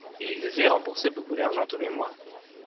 il devait rembourser beaucoup d'argent tous les mois.